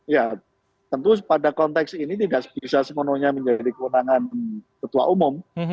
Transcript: ya tentu pada konteks ini tidak bisa sepenuhnya menjadi kewenangan ketua umum